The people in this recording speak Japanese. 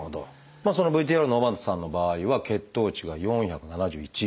ＶＴＲの尾又さんの場合は血糖値が４７１。